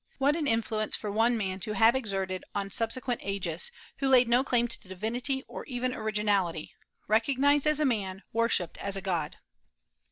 What an influence for one man to have exerted on subsequent ages, who laid no claim to divinity or even originality, recognized as a man, worshipped as a god!